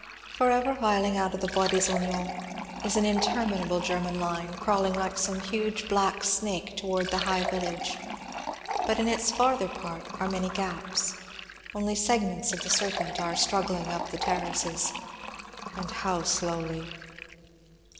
Forever filing out of the Bois des Ognons is an inter minable German line, crawling like some huge black snake towards the high village, but in its farther part are many gaps ; only segments of the serpent are struggling up the ter races. And how slowly